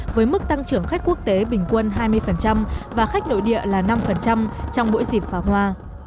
với mức tăng trưởng khách quốc tế bình quân hai mươi và khách nội địa là năm trong mỗi dịp phá hoa